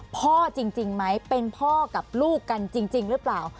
พ่อจริงไหมเป็นพ่อกับลูกกันจริงหรือเปล่า